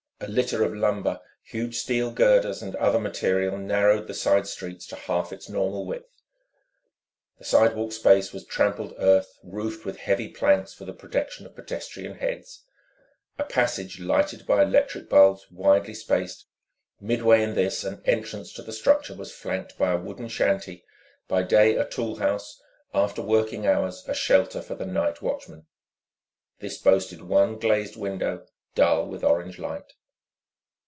A litter of lumber, huge steel girders, and other material narrowed the side street to half its normal width. The sidewalk space was trampled earth roofed with heavy planks for the protection of pedestrian heads, a passage lighted by electric bulbs widely spaced; midway in this an entrance to the structure was flanked by a wooden shanty, by day a tool house, after working hours a shelter for the night watchman. This boasted one glazed window dull with orange light.